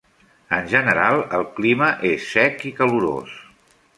En general, el clima és sec i calorós.